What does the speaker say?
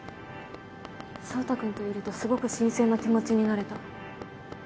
壮太君といるとすごく新鮮な気持ちになれた。